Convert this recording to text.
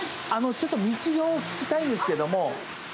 ちょっと道を聞きたいんですけども。